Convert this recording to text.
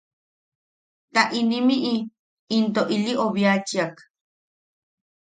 Ta inimiʼi intoko ili obiachiak.